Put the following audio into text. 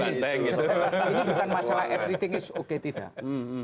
ini bukan masalah everything is oke tidak